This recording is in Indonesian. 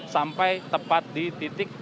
sampai tepat di titik